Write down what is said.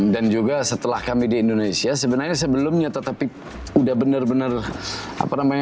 dan juga setelah kami di indonesia sebenarnya sebelumnya tetapi udah bener bener apa namanya